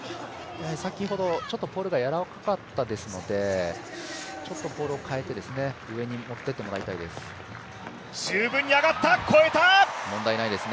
先ほどポールがやわらかかったですのでちょっとポールを変えて上に持っていってもらいたいです。